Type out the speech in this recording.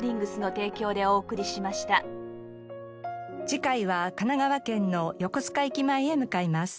次回は神奈川県の横須賀駅前へ向かいます。